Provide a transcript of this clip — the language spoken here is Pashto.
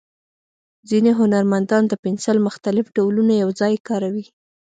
ځینې هنرمندان د پنسل مختلف ډولونه یو ځای کاروي.